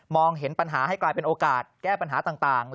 เห็นปัญหาให้กลายเป็นโอกาสแก้ปัญหาต่าง